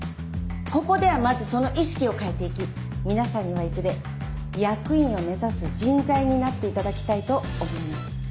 ここではまずその意識を変えて行き皆さんにはいずれ役員を目指す人材になっていただきたいと思います。